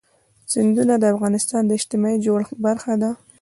سیندونه د افغانستان د اجتماعي جوړښت برخه ده.